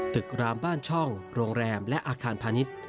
รามบ้านช่องโรงแรมและอาคารพาณิชย์